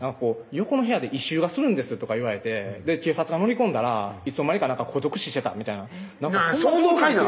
「横の部屋で異臭がするんですよ」とか言われて警察が乗り込んだらいつの間にか孤独死してたみたいな想像かいな！